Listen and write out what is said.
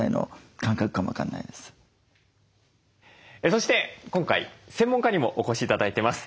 そして今回専門家にもお越し頂いてます。